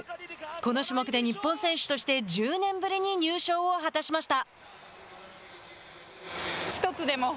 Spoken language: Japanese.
この種目で日本選手として１０年ぶりに入賞を果たしました。